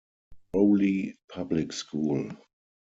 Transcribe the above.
Crowle Public School.